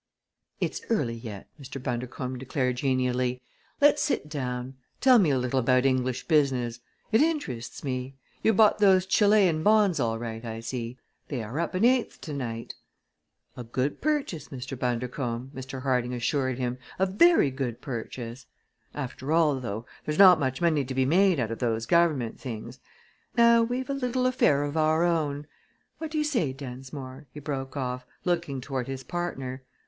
"It's early yet," Mr. Bundercombe declared genially. "Let's sit down. Tell me a little about English business. It interests me. You bought those Chilean bonds all right, I see. They are up an eighth to night." "A good purchase, Mr. Bundercombe," Mr. Harding assured him; "a very good purchase! After all, though, there's not much money to be made out of those government things. Now we've a little affair of our own what do you say, Densmore?" he broke off, looking toward his partner.